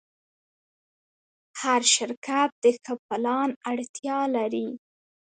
هر شرکت د ښه پلان اړتیا لري.